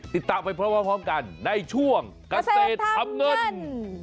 ติดตามไปพร้อมกันในช่วงเกษตรทำเงิน